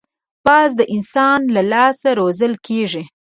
باز د انسان له لاس روزل کېږي